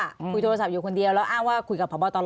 คุยโทรศัพท์อยู่คนเดียวแล้วอ้างว่าคุยกับพบตร